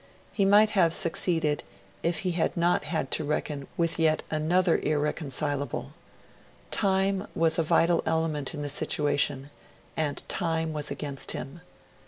He might have succeeded, if he had not had to reckon with yet another irreconcilable; Time was a vital element in the situation, and Time was against him.